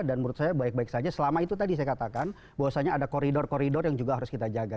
dan menurut saya baik baik saja selama itu tadi saya katakan bahwasanya ada koridor koridor yang juga harus kita jaga